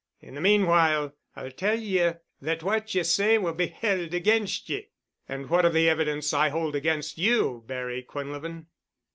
In the meanwhile I'll tell ye that what ye say will be held against ye." "And what of the evidence I hold against you, Barry Quinlevin?"